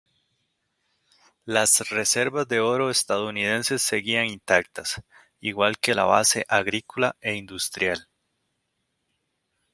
Las reservas de oro estadounidenses seguían intactas, igual que la base agrícola e industrial.